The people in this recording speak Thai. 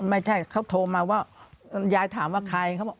ไม่ใช่เขาโทรมาว่ายายถามว่าใครเขาบอก